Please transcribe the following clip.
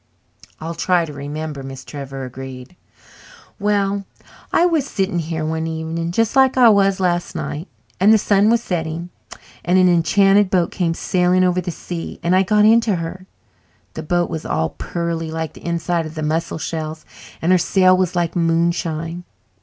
"I'll try to remember," Miss Trevor agreed. "Well, I was sitting here one evening just like I was last night, and the sun was setting. And an enchanted boat came sailing over the sea and I got into her. The boat was all pearly like the inside of the mussel shells, and her sail was like moonshine.